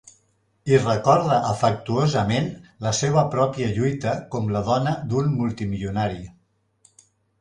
I recorda afectuosament la seva pròpia lluita com la dona d'un multimilionari.